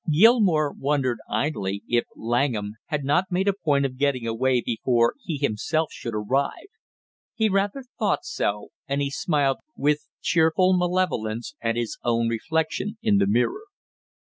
Gilmore wondered idly if Langham had not made a point of getting away before he himself should arrive; he rather thought so, and he smiled with cheerful malevolence at his own reflection in the mirror.